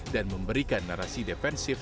dan memberikan narasi defensif